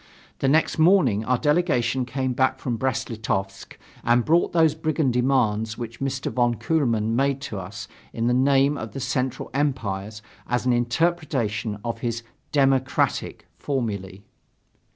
The next morning our delegation came back from Brest Litovsk and brought those brigand demands which Mr. von Kuehlmann made to us in the name of the Central Empires as an interpretation of his "democratic" formulae.